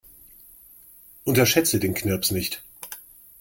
Unterschätze den Knirps nicht.